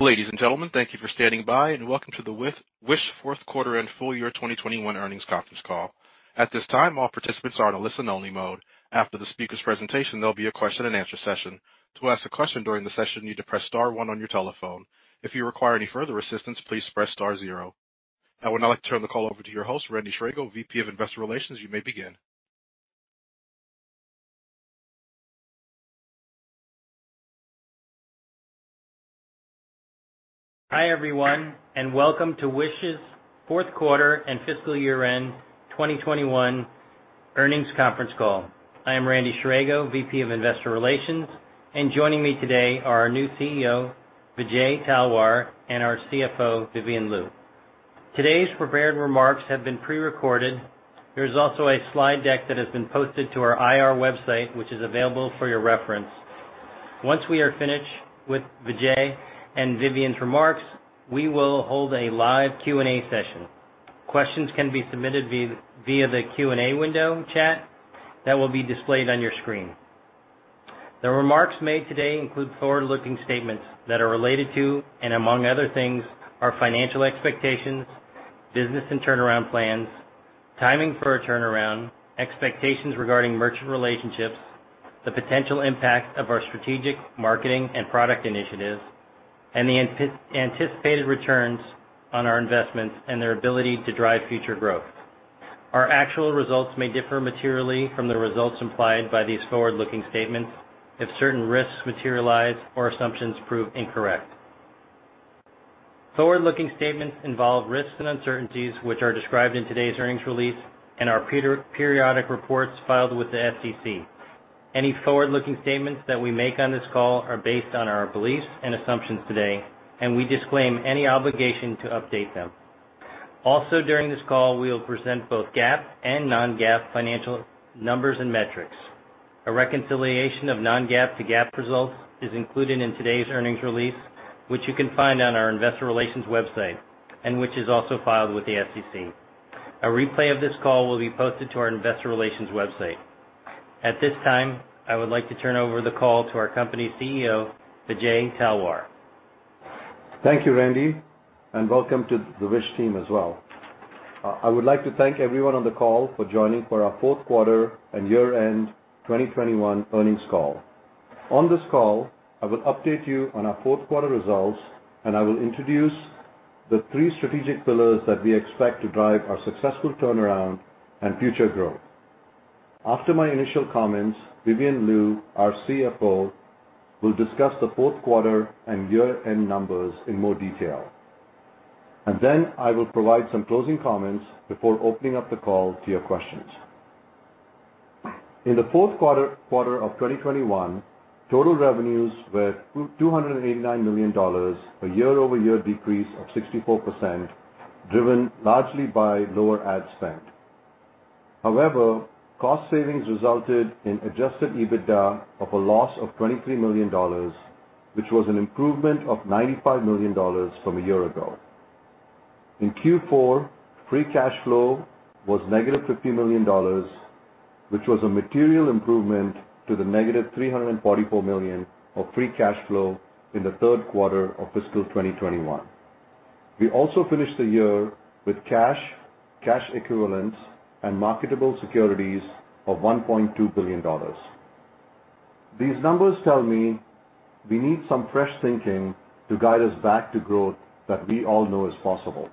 Ladies and gentlemen, thank you for standing by and welcome to the Wish fourth quarter and full year 2021 earnings conference call. At this time, all participants are in a listen only mode. After the speaker's presentation, there'll be a question and answer session. To ask a question during the session, you need to press star one on your telephone. If you require any further assistance, please press star zero. I would now like to turn the call over to your host, Randy Scherago, VP of Investor Relations. You may begin. Hi, everyone, and welcome to Wish's fourth quarter and fiscal year-end 2021 earnings conference call. I am Randy Scherago, VP of Investor Relations, and joining me today are our new CEO, Vijay Talwar, and our CFO, Vivian Liu. Today's prepared remarks have been pre-recorded. There is also a slide deck that has been posted to our IR website, which is available for your reference. Once we are finished with Vijay and Vivian's remarks, we will hold a live Q&A session. Questions can be submitted via the Q&A window chat that will be displayed on your screen. The remarks made today include forward-looking statements that are related to, and among other things, our financial expectations, business and turnaround plans, timing for a turnaround, expectations regarding merchant relationships, the potential impact of our strategic, marketing and product initiatives, and the anticipated returns on our investments and their ability to drive future growth. Our actual results may differ materially from the results implied by these forward-looking statements if certain risks materialize or assumptions prove incorrect. Forward-looking statements involve risks and uncertainties which are described in today's earnings release and our periodic reports filed with the SEC. Any forward-looking statements that we make on this call are based on our beliefs and assumptions today, and we disclaim any obligation to update them. Also, during this call, we will present both GAAP and non-GAAP financial numbers and metrics. A reconciliation of non-GAAP to GAAP results is included in today's earnings release, which you can find on our investor relations website, and which is also filed with the SEC. A replay of this call will be posted to our investor relations website. At this time, I would like to turn over the call to our company CEO, Vijay Talwar. Thank you, Randy, and welcome to the Wish team as well. I would like to thank everyone on the call for joining for our fourth quarter and year-end 2021 earnings call. On this call, I will update you on our fourth quarter results, and I will introduce the three strategic pillars that we expect to drive our successful turnaround and future growth. After my initial comments, Vivian Liu, our CFO, will discuss the fourth quarter and year-end numbers in more detail. I will provide some closing comments before opening up the call to your questions. In the fourth quarter of 2021, total revenues were $289 million, a year-over-year decrease of 64%, driven largely by lower ad spend. However, cost savings resulted in adjusted EBITDA of a loss of $23 million, which was an improvement of $95 million from a year ago. In Q4, free cash flow was negative $50 million, which was a material improvement to the negative $344 million of free cash flow in the third quarter of fiscal 2021. We also finished the year with cash equivalents, and marketable securities of $1.2 billion. These numbers tell me we need some fresh thinking to guide us back to growth that we all know is possible.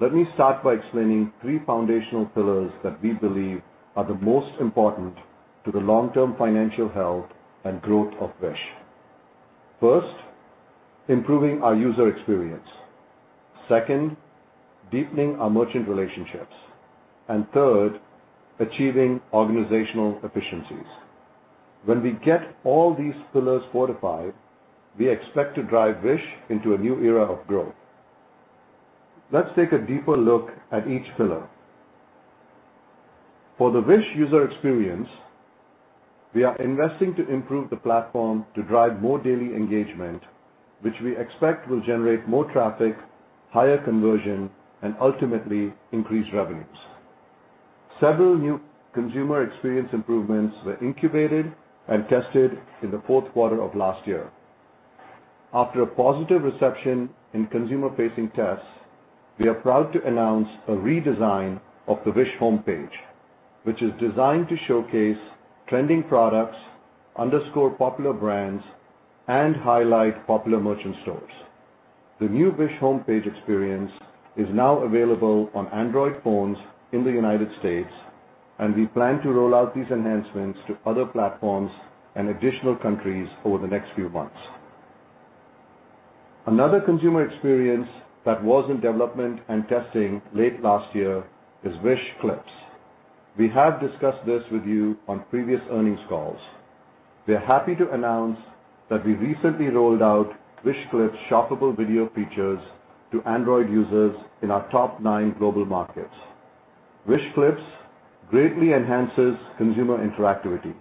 Let me start by explaining three foundational pillars that we believe are the most important to the long-term financial health and growth of Wish. First, improving our user experience. Second, deepening our merchant relationships. Third, achieving organizational efficiencies. When we get all these pillars fortified, we expect to drive Wish into a new era of growth. Let's take a deeper look at each pillar. For the Wish user experience, we are investing to improve the platform to drive more daily engagement, which we expect will generate more traffic, higher conversion, and ultimately increased revenues. Several new consumer experience improvements were incubated and tested in the fourth quarter of last year. After a positive reception in consumer-facing tests, we are proud to announce a redesign of the Wish homepage, which is designed to showcase trending products, underscore popular brands, and highlight popular merchant stores. The new Wish homepage experience is now available on Android phones in the United States, and we plan to roll out these enhancements to other platforms and additional countries over the next few months. Another consumer experience that was in development and testing late last year is Wish Clips. We have discussed this with you on previous earnings calls. We're happy to announce that we recently rolled out Wish Clips shoppable video features to Android users in our top nine global markets. Wish Clips greatly enhances consumer interactivity.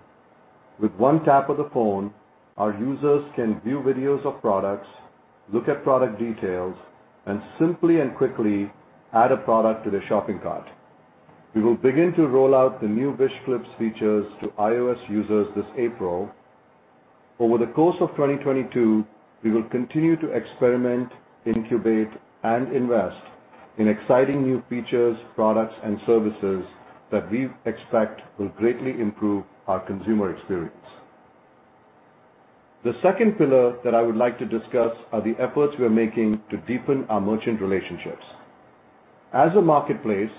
With one tap of the phone, our users can view videos of products, look at product details, and simply and quickly add a product to their shopping cart. We will begin to roll out the new Wish Clips features to iOS users this April. Over the course of 2022, we will continue to experiment, incubate, and invest in exciting new features, products, and services that we expect will greatly improve our consumer experience. The second pillar that I would like to discuss are the efforts we are making to deepen our merchant relationships. As a marketplace,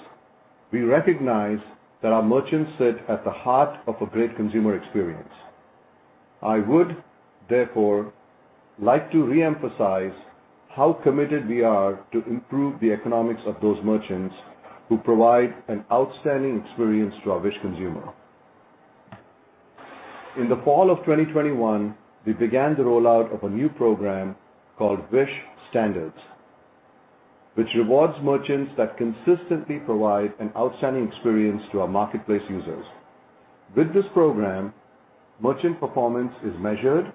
we recognize that our merchants sit at the heart of a great consumer experience. I would therefore like to re-emphasize how committed we are to improve the economics of those merchants who provide an outstanding experience to our Wish consumer. In the fall of 2021, we began the rollout of a new program called Wish Standards, which rewards merchants that consistently provide an outstanding experience to our marketplace users. With this program, merchant performance is measured,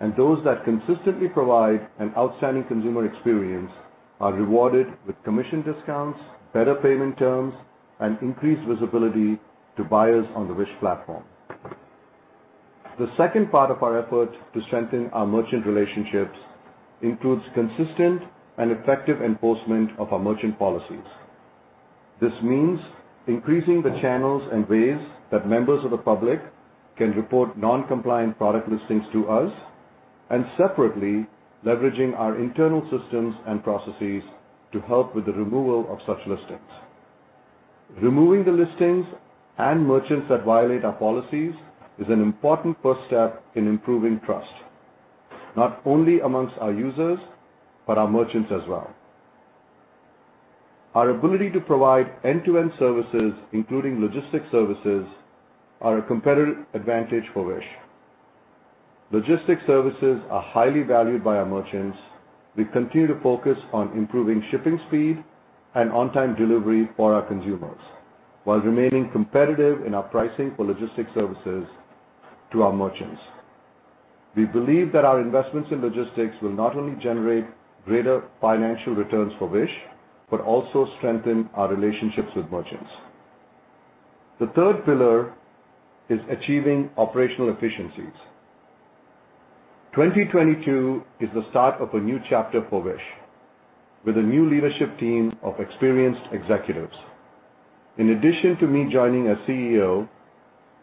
and those that consistently provide an outstanding consumer experience are rewarded with commission discounts, better payment terms, and increased visibility to buyers on the Wish platform. The second part of our effort to strengthen our merchant relationships includes consistent and effective enforcement of our merchant policies. This means increasing the channels and ways that members of the public can report non-compliant product listings to us, and separately, leveraging our internal systems and processes to help with the removal of such listings. Removing the listings and merchants that violate our policies is an important first step in improving trust, not only among our users, but our merchants as well. Our ability to provide end-to-end services, including logistics services, are a competitive advantage for Wish. Logistics services are highly valued by our merchants. We continue to focus on improving shipping speed and on-time delivery for our consumers while remaining competitive in our pricing for logistics services to our merchants. We believe that our investments in logistics will not only generate greater financial returns for Wish, but also strengthen our relationships with merchants. The third pillar is achieving operational efficiencies. 2022 is the start of a new chapter for Wish with a new leadership team of experienced executives. In addition to me joining as CEO,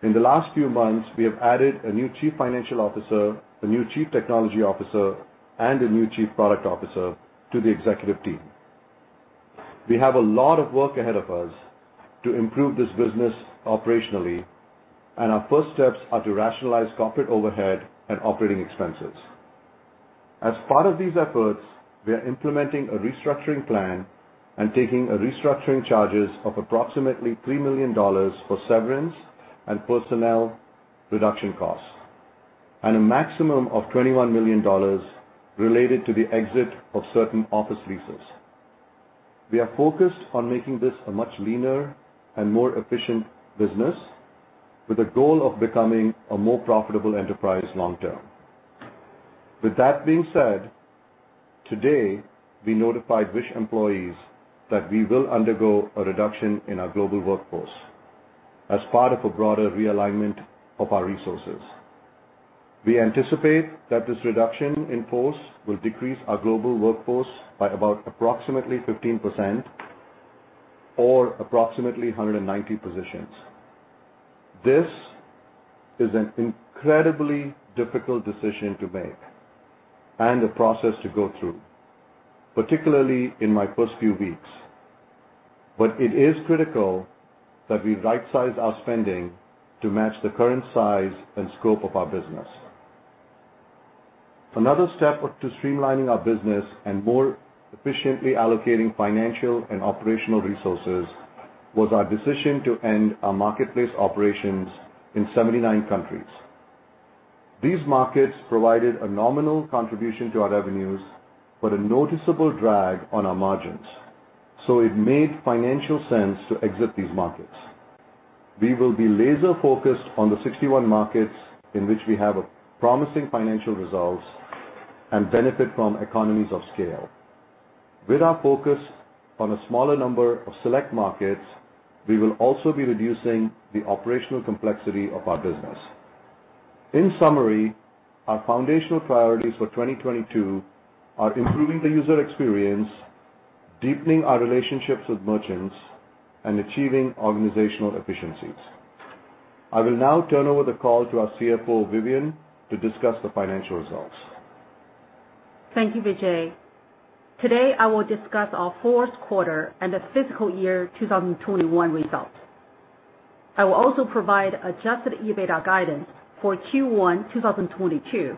in the last few months, we have added a new Chief Financial Officer, a new Chief Technology Officer, and a new Chief Product Officer to the executive team. We have a lot of work ahead of us to improve this business operationally, and our first steps are to rationalize corporate overhead and operating expenses. As part of these efforts, we are implementing a restructuring plan and taking restructuring charges of approximately $3 million for severance and personnel reduction costs, and a maximum of $21 million related to the exit of certain office leases. We are focused on making this a much leaner and more efficient business with a goal of becoming a more profitable enterprise long term. With that being said, today we notified Wish employees that we will undergo a reduction in our global workforce as part of a broader realignment of our resources. We anticipate that this reduction in force will decrease our global workforce by about approximately 15% or approximately 190 positions. This is an incredibly difficult decision to make and a process to go through, particularly in my first few weeks. It is critical that we right-size our spending to match the current size and scope of our business. Another step to streamlining our business and more efficiently allocating financial and operational resources was our decision to end our marketplace operations in 79 countries. These markets provided a nominal contribution to our revenues, but a noticeable drag on our margins, so it made financial sense to exit these markets. We will be laser focused on the 61 markets in which we have promising financial results and benefit from economies of scale. With our focus on a smaller number of select markets, we will also be reducing the operational complexity of our business. In summary, our foundational priorities for 2022 are improving the user experience, deepening our relationships with merchants, and achieving organizational efficiencies. I will now turn over the call to our CFO, Vivian, to discuss the financial results. Thank you, Vijay. Today, I will discuss our fourth quarter and the fiscal year 2021 results. I will also provide adjusted EBITDA guidance for Q1 2022,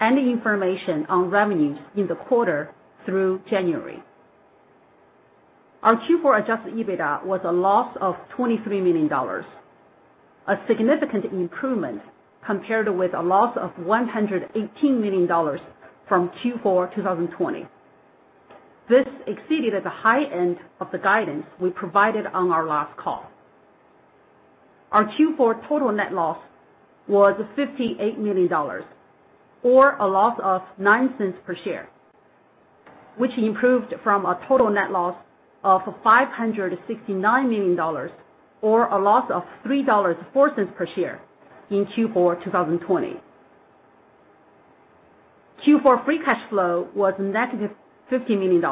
and the information on revenues in the quarter through January. Our Q4 adjusted EBITDA was a loss of $23 million, a significant improvement compared with a loss of $118 million from Q4 2020. This exceeded the high end of the guidance we provided on our last call. Our Q4 total net loss was $58 million, or a loss of $0.09 per share, which improved from a total net loss of $569 million or a loss of $3.04 per share in Q4 2020. Q4 free cash flow was negative $50 million,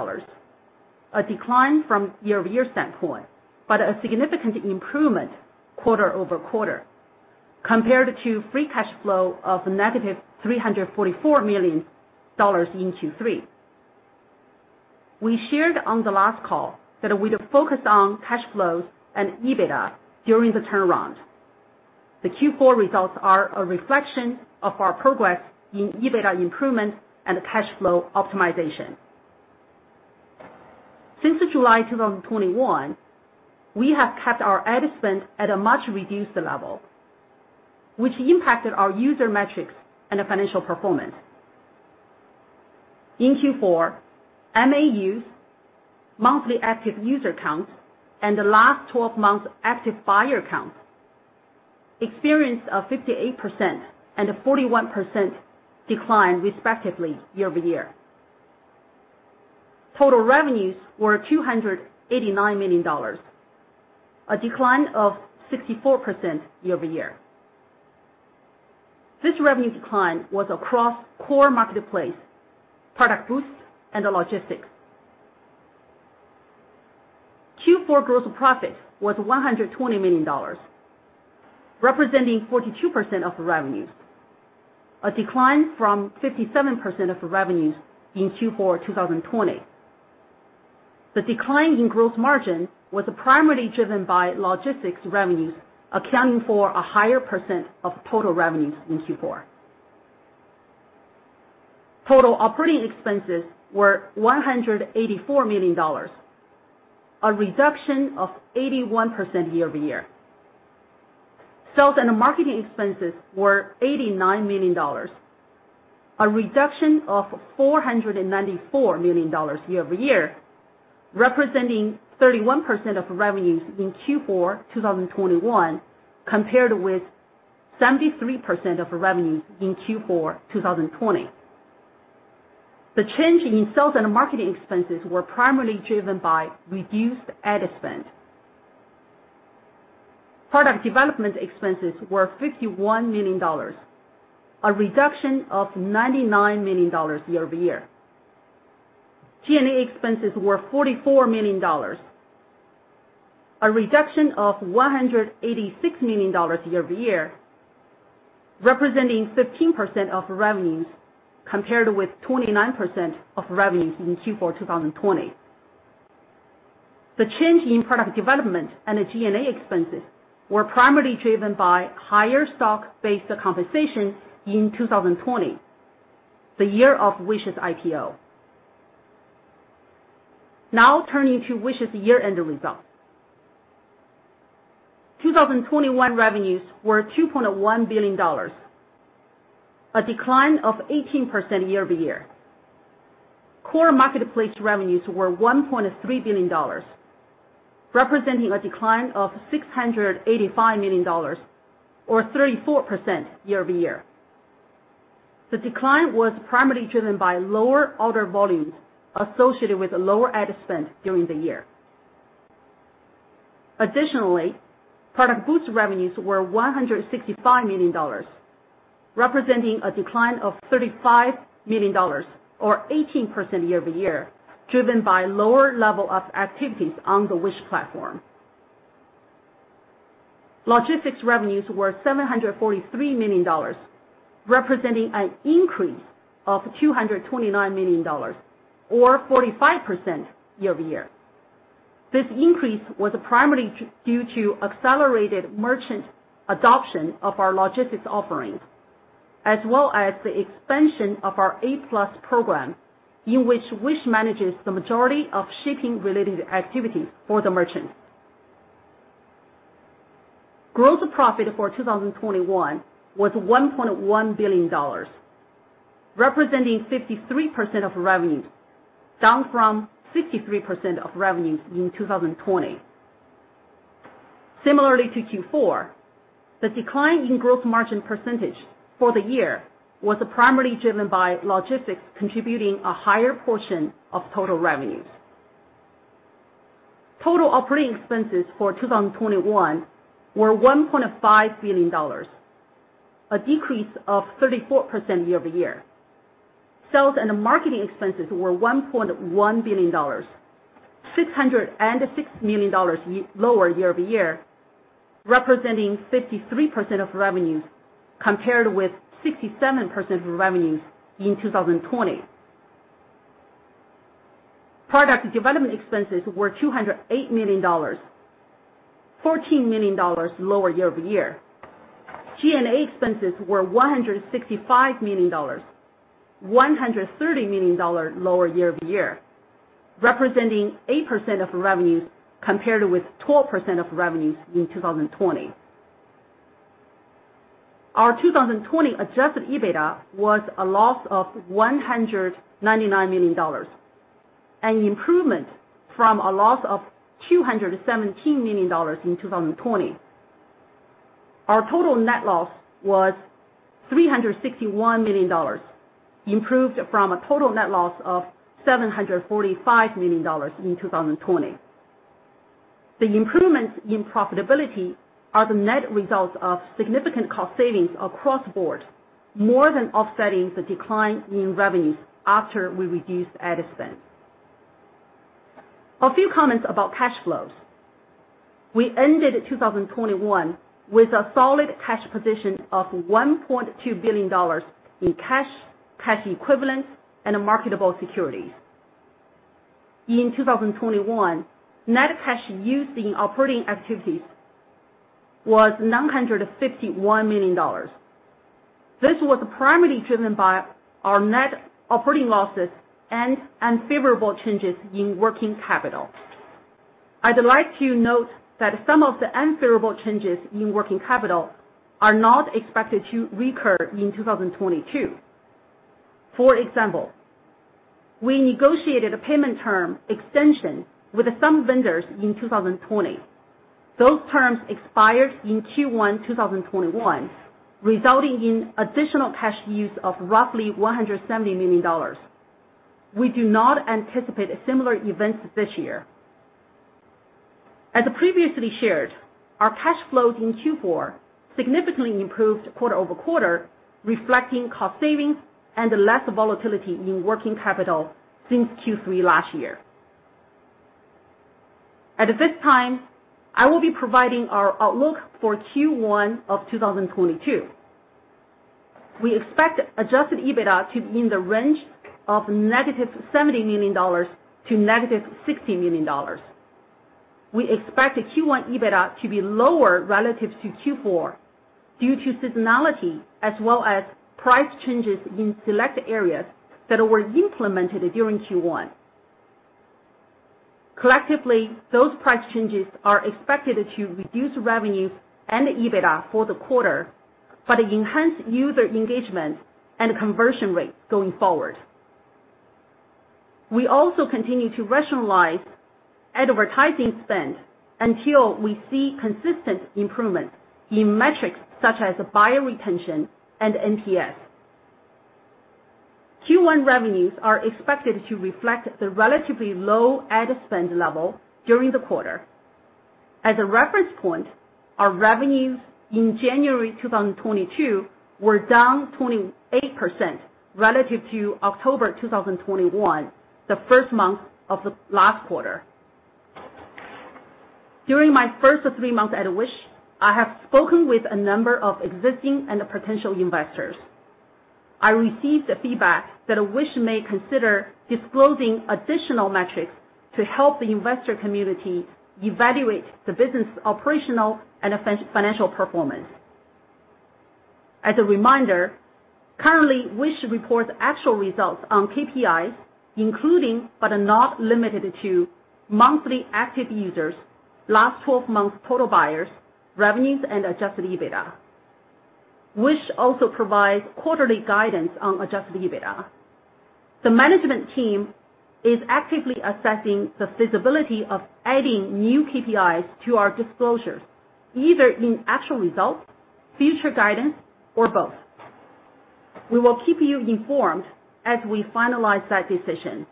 a decline from year-over-year standpoint, but a significant improvement quarter-over-quarter compared to free cash flow of negative $344 million in Q3. We shared on the last call that we'd focus on cash flows and EBITDA during the turnaround. The Q4 results are a reflection of our progress in EBITDA improvement and cash flow optimization. Since July 2021, we have kept our ad spend at a much reduced level, which impacted our user metrics and financial performance. In Q4, MAUs, monthly active user count, and the last 12 months active buyer count, experienced a 58% and a 41% decline, respectively, year-over-year. Total revenues were $289 million, a decline of 64% year-over-year. This revenue decline was across core marketplace, ProductBoost, and the logistics. Q4 gross profit was $120 million, representing 42% of the revenues, a decline from 57% of the revenues in Q4 2020. The decline in gross margin was primarily driven by logistics revenues, accounting for a higher percent of total revenues in Q4. Total operating expenses were $184 million, a reduction of 81% year-over-year. Sales and marketing expenses were $89 million, a reduction of $494 million year-over-year, representing 31% of revenues in Q4 2021, compared with 73% of revenues in Q4 2020. The change in sales and marketing expenses were primarily driven by reduced ad spend. Product development expenses were $51 million, a reduction of $99 million year-over-year. G&A expenses were $44 million, a reduction of $186 million year-over-year, representing 15% of revenues, compared with 29% of revenues in Q4 2020. The change in product development and the G&A expenses were primarily driven by higher stock-based compensation in 2020, the year of Wish's IPO. Now, turning to Wish's year-end results. 2021 revenues were $2.1 billion, a decline of 18% year-over-year. Core marketplace revenues were $1.3 billion, representing a decline of $685 million or 34% year-over-year. The decline was primarily driven by lower order volumes associated with lower ad spend during the year. Additionally, ProductBoost revenues were $165 million, representing a decline of $35 million or 18% year-over-year, driven by lower level of activities on the Wish platform. Logistics revenues were $743 million, representing an increase of $229 million or 45% year-over-year. This increase was primarily due to accelerated merchant adoption of our logistics offerings, as well as the expansion of our A+ program, in which Wish manages the majority of shipping related activities for the merchants. Gross profit for 2021 was $1.1 billion, representing 53% of revenues, down from 63% of revenues in 2020. Similarly to Q4, the decline in gross margin percentage for the year was primarily driven by logistics contributing a higher portion of total revenues. Total operating expenses for 2021 were $1.5 billion, a decrease of 34% year-over-year. Sales and marketing expenses were $1.1 billion, $606 million lower year-over-year, representing 53% of revenues, compared with 67% of revenues in 2020. Product development expenses were $208 million, $14 million lower year-over-year. G&A expenses were $165 million, $130 million lower year-over-year, representing 8% of revenues, compared with 12% of revenues in 2020. Our 2021 adjusted EBITDA was a loss of $199 million, an improvement from a loss of $217 million in 2020. Our total net loss was $361 million, improved from a total net loss of $745 million in 2020. The improvements in profitability are the net results of significant cost savings across the board, more than offsetting the decline in revenues after we reduced ad spend. A few comments about cash flows. We ended 2021 with a solid cash position of $1.2 billion in cash equivalents, and marketable securities. In 2021, net cash used in operating activities was $951 million. This was primarily driven by our net operating losses and unfavorable changes in working capital. I'd like to note that some of the unfavorable changes in working capital are not expected to recur in 2022. For example, we negotiated a payment term extension with some vendors in 2020. Those terms expired in Q1 2021, resulting in additional cash use of roughly $170 million. We do not anticipate similar events this year. As previously shared, our cash flows in Q4 significantly improved quarter-over-quarter, reflecting cost savings and less volatility in working capital since Q3 last year. At this time, I will be providing our outlook for Q1 2022. We expect adjusted EBITDA to be in the range of -$70 million to -$60 million. We expect the Q1 EBITDA to be lower relative to Q4 due to seasonality as well as price changes in select areas that were implemented during Q1. Collectively, those price changes are expected to reduce revenues and EBITDA for the quarter, but enhance user engagement and conversion rates going forward. We also continue to rationalize advertising spend until we see consistent improvement in metrics such as buyer retention and NPS. Q1 revenues are expected to reflect the relatively low ad spend level during the quarter. As a reference point, our revenues in January 2022 were down 28% relative to October 2021, the first month of the last quarter. During my first three months at Wish, I have spoken with a number of existing and potential investors. I received feedback that Wish may consider disclosing additional metrics to help the investor community evaluate the business operational and financial performance. As a reminder, currently, Wish reports actual results on KPIs, including, but not limited to, monthly active users, last 12 months total buyers, revenues, and adjusted EBITDA. Wish also provides quarterly guidance on adjusted EBITDA. The management team is actively assessing the feasibility of adding new KPIs to our disclosures, either in actual results, future guidance, or both. We will keep you informed as we finalize that decision.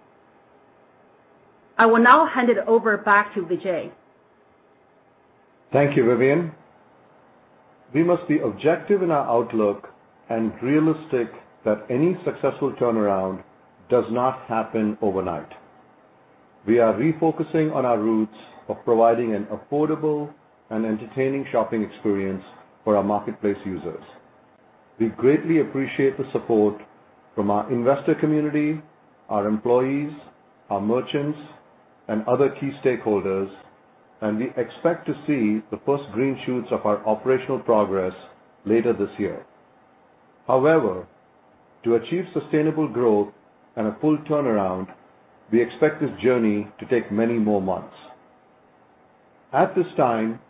I will now hand it over back to Vijay. Thank you, Vivian. We must be objective in our outlook and realistic that any successful turnaround does not happen overnight. We are refocusing on our roots of providing an affordable and entertaining shopping experience for our marketplace users. We greatly appreciate the support from our investor community, our employees, our merchants, and other key stakeholders, and we expect to see the first green shoots of our operational progress later this year. However, to achieve sustainable growth and a full turnaround, we expect this journey to take many more months. At this time,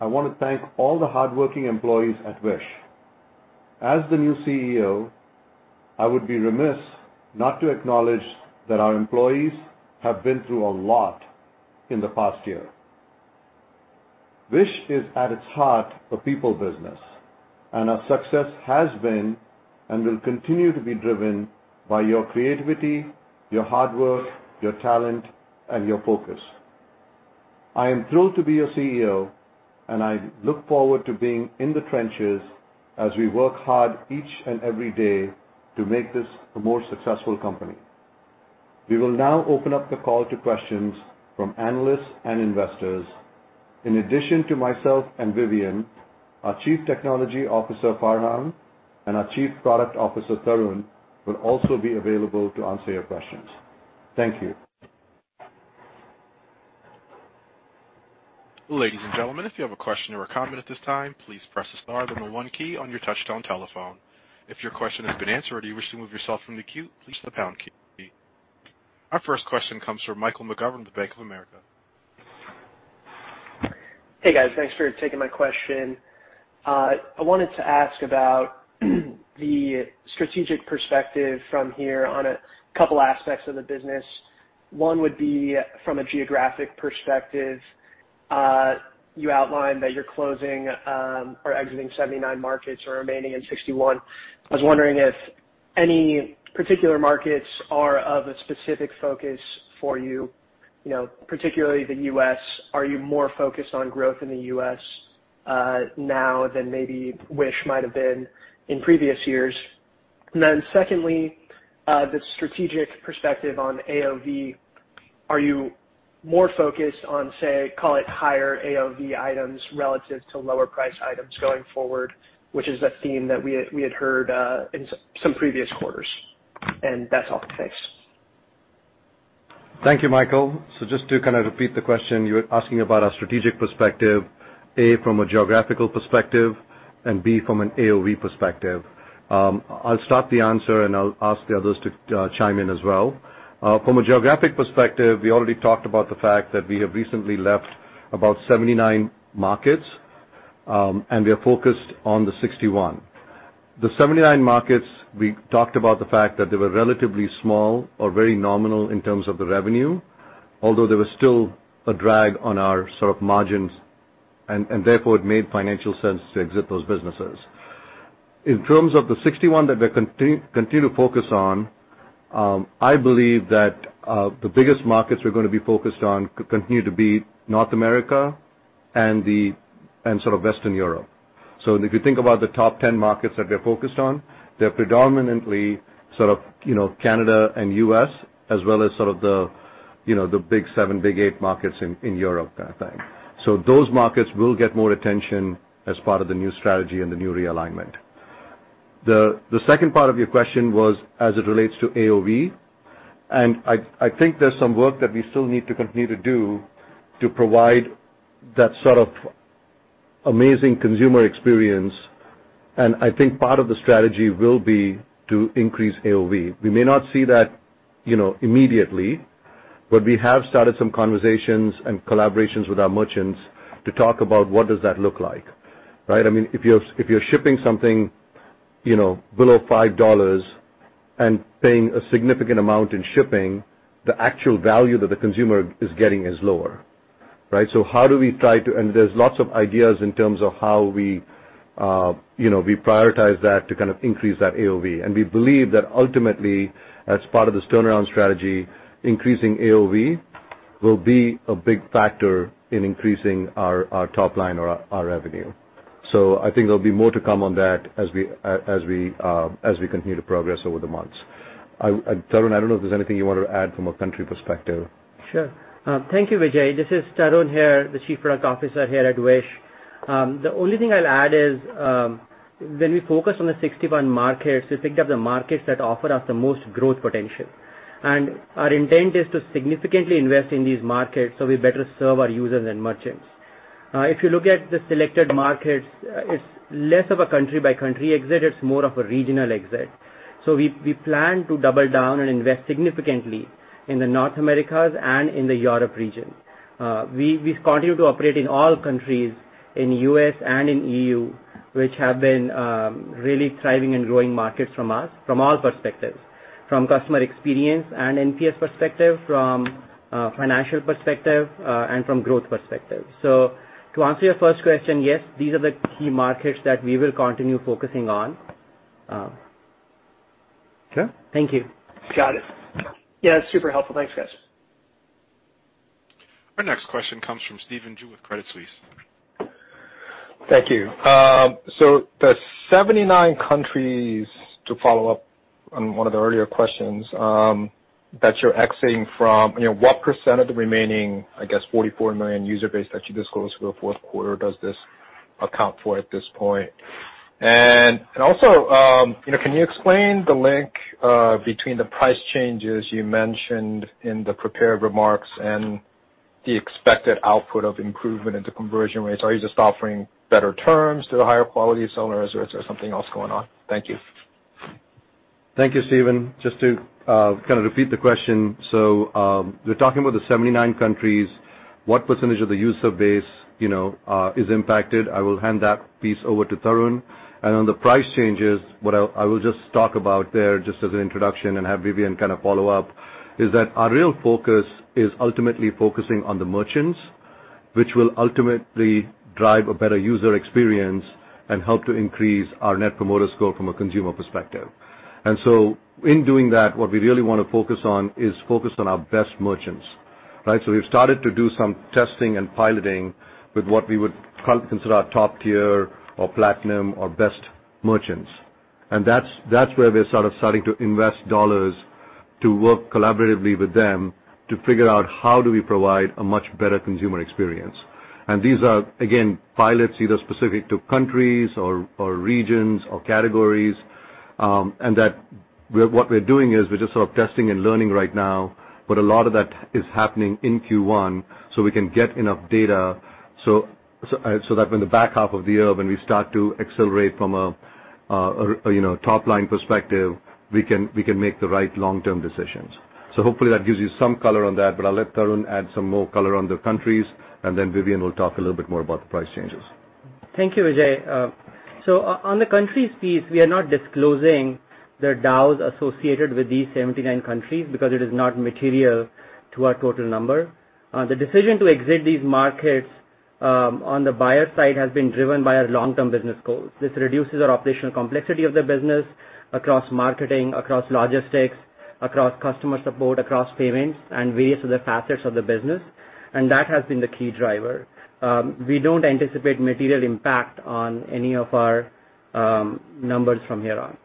I want to thank all the hardworking employees at Wish. As the new CEO, I would be remiss not to acknowledge that our employees have been through a lot in the past year. Wish is at its heart a people business, and our success has been and will continue to be driven by your creativity, your hard work, your talent, and your focus. I am thrilled to be your CEO, and I look forward to being in the trenches as we work hard each and every day to make this a more successful company. We will now open up the call to questions from analysts and investors. In addition to myself and Vivian Liu, our Chief Technology Officer, Farhang Kassaei, and our Chief Product Officer, Tarun Jain, will also be available to answer your questions. Thank you. Ladies and gentlemen if you have a question or a comment at this time please press * then number 1 key on your telephone, if your question has been answared and you wish to remove yourself frome the queue please press number 1 key. Our first question comes from Michael McGovern of Bank of America. Hey guys, thanks for taking my question. I wanted to ask about the strategic perspective from here on a couple aspects of the business. One would be from a geographic perspective. You outlined that you're closing or exiting 79 markets or remaining in 61. I was wondering if any particular markets are of a specific focus for you know, particularly the U.S. Are you more focused on growth in the U.S. now than maybe Wish might have been in previous years? Then secondly, the strategic perspective on AOV. Are you more focused on, say, call it higher AOV items relative to lower price items going forward, which is a theme that we had heard in some previous quarters. That's all. Thanks. Thank you, Michael. Just to kind of repeat the question, you're asking about our strategic perspective, A, from a geographical perspective, and B, from an AOV perspective. I'll start the answer, and I'll ask the others to chime in as well. From a geographic perspective, we already talked about the fact that we have recently left about 79 markets, and we are focused on the 61. The 79 markets, we talked about the fact that they were relatively small or very nominal in terms of the revenue, although they were still a drag on our sort of margins and therefore it made financial sense to exit those businesses. In terms of the 61 that we're continue to focus on, I believe that the biggest markets we're gonna be focused on could continue to be North America and sort of Western Europe. If you think about the top 10 markets that we're focused on, they're predominantly sort of, you know, Canada and U.S. as well as sort of the, you know, the big 7, big 8 markets in Europe kind of thing. Those markets will get more attention as part of the new strategy and the new realignment. The second part of your question was as it relates to AOV, and I think there's some work that we still need to continue to do to provide that sort of amazing consumer experience. I think part of the strategy will be to increase AOV. We may not see that, you know, immediately, but we have started some conversations and collaborations with our merchants to talk about what does that look like, right? I mean, if you're shipping something, you know, below $5 and paying a significant amount in shipping, the actual value that the consumer is getting is lower, right? There's lots of ideas in terms of how we, you know, we prioritize that to kind of increase that AOV. We believe that ultimately, as part of this turnaround strategy, increasing AOV will be a big factor in increasing our top line or our revenue. I think there'll be more to come on that as we continue to progress over the months. Tarun, I don't know if there's anything you want to add from a country perspective. Sure. Thank you, Vijay. This is Tarun here, the Chief Product Officer here at Wish. The only thing I'll add is, when we focus on the 61 markets, we think of the markets that offer us the most growth potential. Our intent is to significantly invest in these markets, so we better serve our users and merchants. If you look at the selected markets, it's less of a country-by-country exit, it's more of a regional exit. We plan to double down and invest significantly in North America and in the Europe region. We continue to operate in all countries in U.S. and in EU, which have been really thriving and growing markets from us, from our perspective, from customer experience and NPS perspective, from financial perspective, and from growth perspective. To answer your first question, yes, these are the key markets that we will continue focusing on. Sure. Thank you. Got it. Yeah, super helpful. Thanks, guys. Our next question comes from Stephen Ju with Credit Suisse. Thank you. The 79 countries, to follow up on one of the earlier questions, that you're exiting from, you know, what % of the remaining, I guess, 44 million user base that you disclosed for the fourth quarter does this account for at this point? Also, you know, can you explain the link between the price changes you mentioned in the prepared remarks and the expected output of improvement in the conversion rates? Are you just offering better terms to the higher quality sellers, or is there something else going on? Thank you. Thank you, Stephen. Just to kind of repeat the question. We're talking about the 79 countries, what percentage of the user base is impacted. I will hand that piece over to Tarun. On the price changes, what I will just talk about there, just as an introduction and have Vivian kind of follow up, is that our real focus is ultimately focusing on the merchants, which will ultimately drive a better user experience and help to increase our Net Promoter Score from a consumer perspective. In doing that, what we really wanna focus on is our best merchants, right? We've started to do some testing and piloting with what we would consider our top tier or platinum or best merchants. That's where we're sort of starting to invest dollars to work collaboratively with them to figure out how do we provide a much better consumer experience. These are, again, pilots either specific to countries or regions or categories, and what we're doing is we're just sort of testing and learning right now, but a lot of that is happening in Q1 so we can get enough data, so that when the back half of the year, when we start to accelerate from a, you know, top line perspective, we can make the right long-term decisions. Hopefully that gives you some color on that, but I'll let Tarun add some more color on the countries, and then Vivian will talk a little bit more about the price changes. Thank you, Vijay. We are not disclosing the DAUs associated with these 79 countries because it is not material to our total number. The decision to exit these markets on the buyer side has been driven by our long-term business goals. This reduces our operational complexity of the business across marketing, across logistics, across customer support, across payments, and various other facets of the business, and that has been the key driver. We don't anticipate material impact on any of our numbers from here on.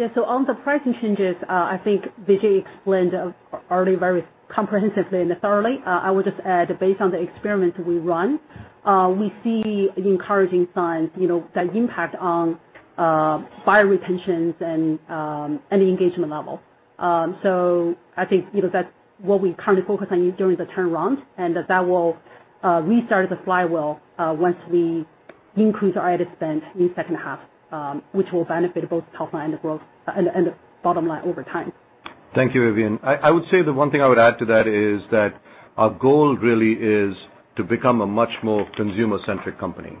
Yeah. On the pricing changes, I think Vijay explained already very comprehensively and thoroughly. I would just add that based on the experiments we run, we see encouraging signs, you know, the impact on buyer retentions and the engagement level. I think, you know, that's what we currently focus on during the turnaround, and that will restart the flywheel once we increase our ad spend in second half, which will benefit both top line and the growth and the bottom line over time. Thank you, Vivian. I would say the one thing I would add to that is that our goal really is to become a much more consumer-centric company,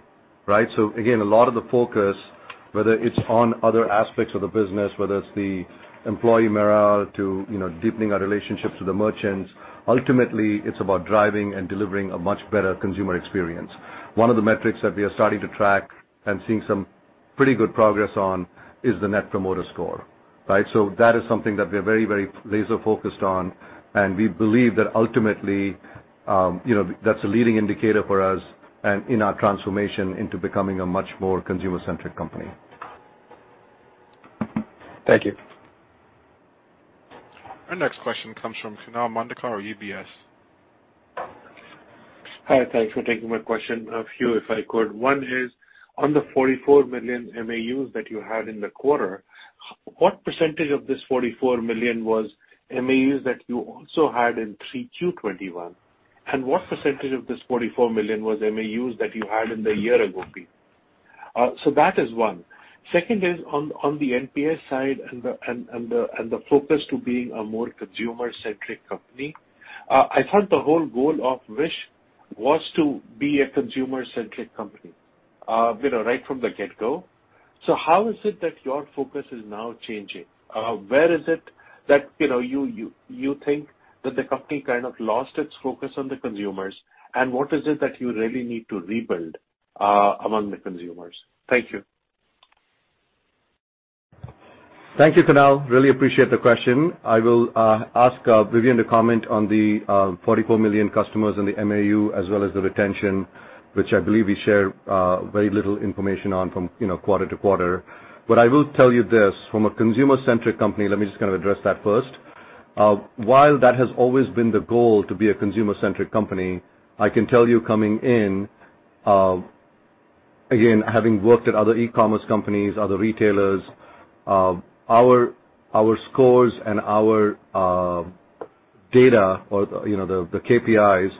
right? Again, a lot of the focus, whether it's on other aspects of the business, whether it's the employee morale to, you know, deepening our relationships with the merchants, ultimately, it's about driving and delivering a much better consumer experience. One of the metrics that we are starting to track and seeing some pretty good progress on is the Net Promoter Score, right? That is something that we're very, very laser-focused on, and we believe that ultimately, you know, that's a leading indicator for us and in our transformation into becoming a much more consumer-centric company. Thank you. Our next question comes from Kunal Madhukar, UBS. Hi. Thanks for taking my question. A few, if I could. One is, on the 44 million MAUs that you had in the quarter, what percentage of this 44 million was MAUs that you also had in Q3 2021? What percentage of this 44 million was MAUs that you had in the year ago period? That is one. Second is on the NPS side and the focus to being a more consumer-centric company. I thought the whole goal of Wish was to be a consumer-centric company, you know, right from the get-go. How is it that your focus is now changing? Where is it that, you know, you think that the company kind of lost its focus on the consumers, and what is it that you really need to rebuild among the consumers? Thank you. Thank you, Kunal. Really appreciate the question. I will ask Vivian to comment on the 44 million customers in the MAU as well as the retention, which I believe we share very little information on from, you know, quarter to quarter. I will tell you this, from a consumer-centric company, let me just kinda address that first. While that has always been the goal to be a consumer-centric company, I can tell you coming in, again, having worked at other e-commerce companies, other retailers, our scores and our data or, you know, the KPIs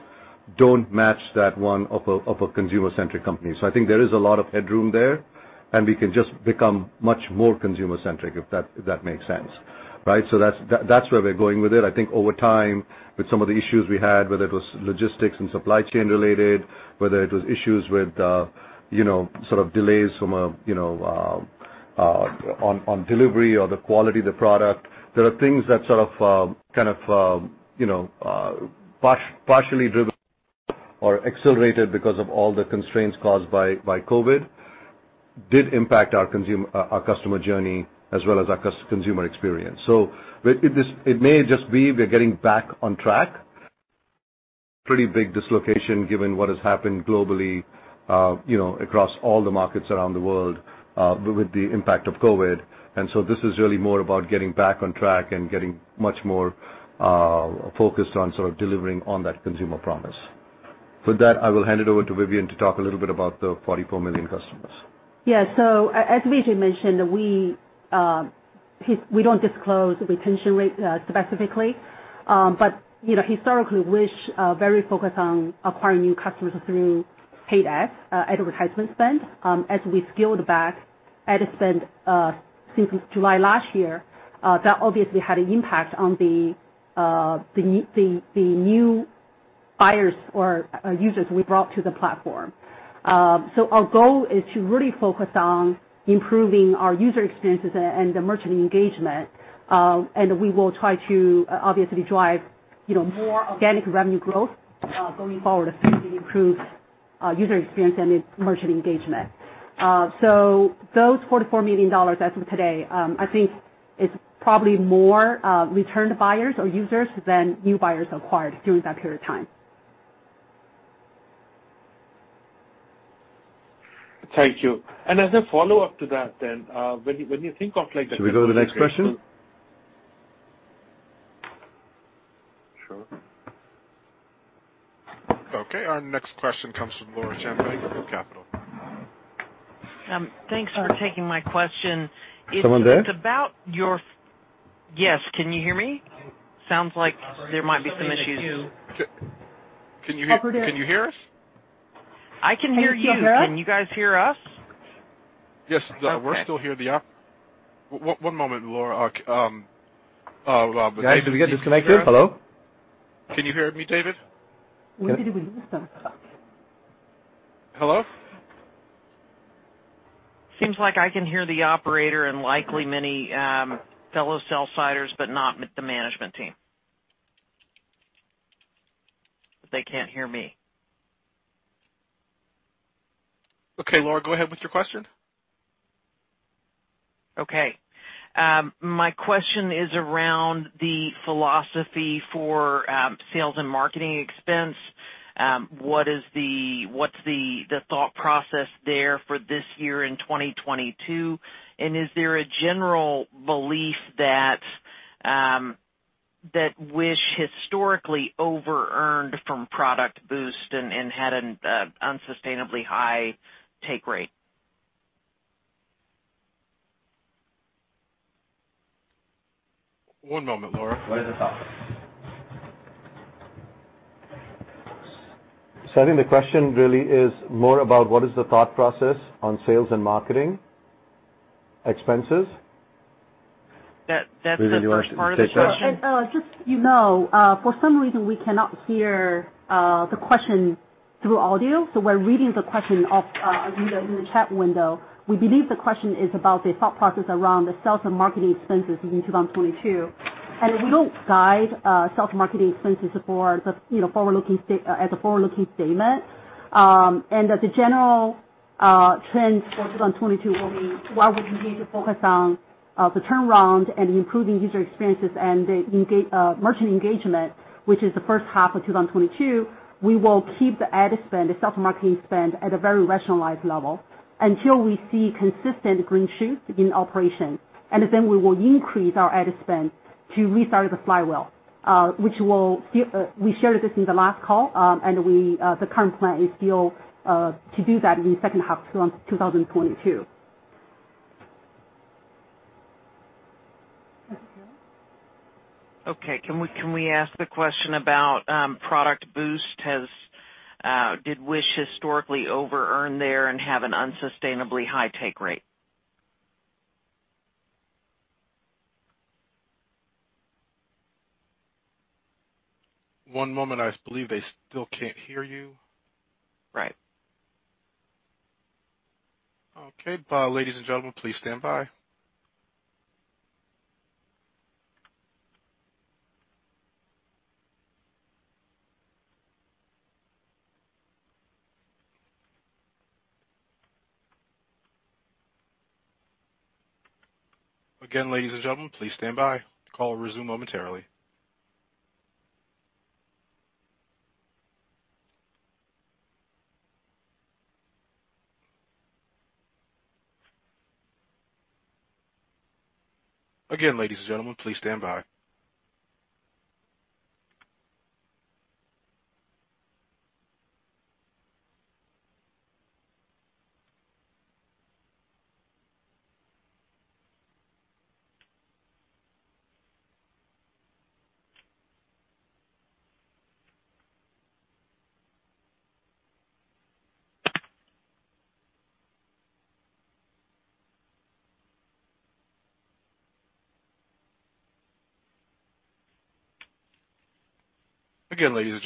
don't match that one of a consumer-centric company. I think there is a lot of headroom there, and we can just become much more consumer-centric, if that makes sense. Right? That's where we're going with it. I think over time, with some of the issues we had, whether it was logistics and supply chain related, whether it was issues with, you know, sort of delays from a, you know, on delivery or the quality of the product. There are things that sort of, kind of, you know, partially driven or accelerated because of all the constraints caused by COVID, did impact our customer journey as well as our consumer experience. It may just be we're getting back on track. Pretty big dislocation given what has happened globally, you know, across all the markets around the world, with the impact of COVID. This is really more about getting back on track and getting much more focused on sort of delivering on that consumer promise. For that, I will hand it over to Vivian to talk a little bit about the 44 million customers. Yeah. As Vijay mentioned, we don't disclose retention rate specifically. You know, historically, Wish very focused on acquiring new customers through paid ads, advertisement spend. As we scaled back ad spend since July last year, that obviously had an impact on the new buyers or users we brought to the platform. Our goal is to really focus on improving our user experiences and the merchant engagement, and we will try to obviously drive you know, more organic revenue growth going forward as we improve user experience and merchant engagement. Those $44 million as of today, I think it's probably more return to buyers or users than new buyers acquired during that period of time. Thank you. As a follow-up to that then, when you think of like the- Should we go to the next question? Sure. Okay. Our next question comes from Laura Champine with Loop Capital. Thanks for taking my question. Someone there? Yes. Can you hear me? Sounds like there might be some issues. Can you hear us? I can hear you. Can you guys hear us? Yes. Okay. We're still here. Yeah. One moment, Laura. Thank you. Guys, did we get disconnected? Hello? Can you hear me, Vijay Talwar? Where did we lose them? Hello? Seems like I can hear the operator and likely many fellow sell-siders, but not the management team. They can't hear me. Okay, Laura, go ahead with your question. Okay. My question is around the philosophy for sales and marketing expense. What's the thought process there for this year in 2022? Is there a general belief that Wish historically overearned from ProductBoost and had an unsustainably high take rate? One moment, Laura. I think the question really is more about what is the thought process on sales and marketing expenses. That's the first part of the question. Sure. Just you know, for some reason we cannot hear the question through audio, so we're reading the question off in the chat window. We believe the question is about the thought process around the sales and marketing expenses in 2022. We don't guide sales and marketing expenses for the forward-looking statement. The general trend for 2022 will be, while we continue to focus on the turnaround and improving user experiences and the merchant engagement, which is the first half of 2022, we will keep the ad spend, the sales and marketing spend at a very rationalized level until we see consistent green shoots in operation. Then we will increase our ad spend to restart the flywheel, which will still. We shared this in the last call, and the current plan is still to do that in the second half 2022. Okay. Can we ask the question about ProductBoost? Did Wish historically overearn there and have an unsustainably high take rate? One moment. I believe they still can't hear you. Right. Okay. Back on the line. This is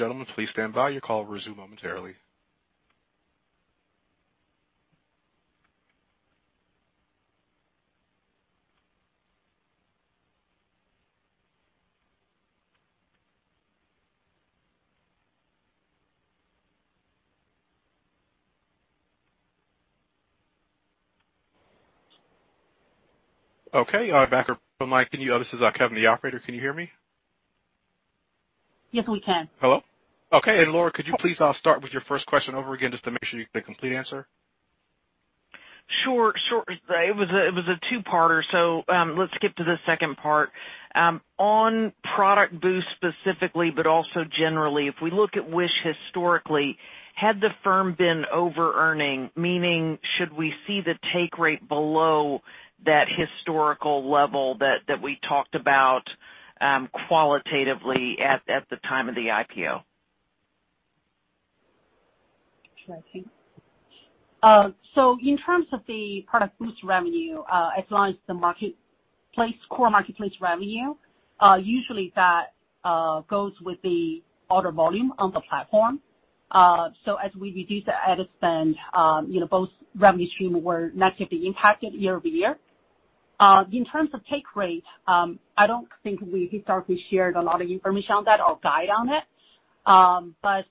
Kevin, the operator. Can you hear me? Yes, we can. Hello? Okay. Laura, could you please start with your first question over again, just to make sure you get a complete answer? Sure. It was a two-parter. Let's skip to the second part. On ProductBoost specifically, but also generally, if we look at Wish historically, had the firm been overearning, meaning should we see the take rate below that historical level that we talked about, qualitatively at the time of the IPO? Sure thing. In terms of the ProductBoost revenue, as long as the marketplace, core marketplace revenue, usually that goes with the order volume on the platform. As we reduce the ad spend, you know, both revenue stream were negatively impacted year-over-year. In terms of take rate, I don't think we historically shared a lot of information on that or guide on it. As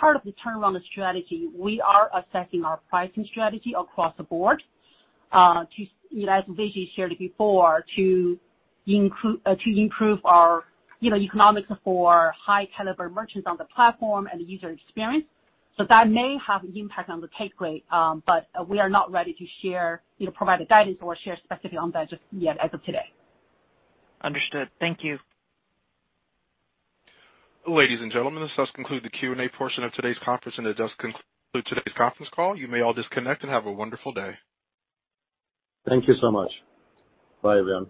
part of the turnaround strategy, we are assessing our pricing strategy across the board, you know, as Vijay shared before, to improve our, you know, economics for high caliber merchants on the platform and the user experience. That may have an impact on the take rate, but we are not ready to share, you know, provide a guidance or share specific on that just yet as of today. Understood. Thank you. Ladies and gentlemen, this does conclude the Q&A portion of today's conference, and it does conclude today's conference call. You may all disconnect and have a wonderful day. Thank you so much. Bye everyone.